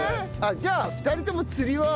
じゃあ２人とも釣りは好きな。